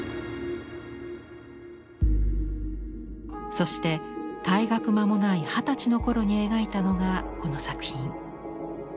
そして退学間もない二十歳の頃に描いたのがこの作品。